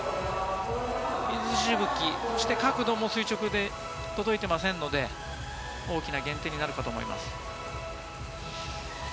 水しぶき、そして角度も垂直で届いていませんので、大きな減点になるかと思います。